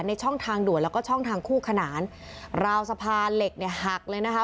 ช่องทางด่วนแล้วก็ช่องทางคู่ขนานราวสะพานเหล็กเนี่ยหักเลยนะคะ